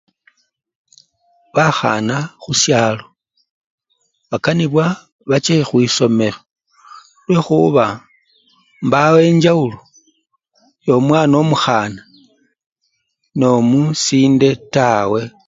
Bakhana khusyalo bakanibwa bache khwisomelo, lwekhuba embawo enchawulo yomwana omukhana nomusinde tawe.